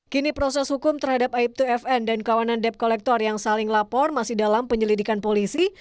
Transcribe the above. kini proses hukum terhadap aib dua fn dan kawanan debt collector yang saling lapor masih dalam penyelidikan polisi